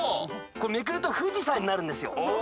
これめくると富士山になるんですよ。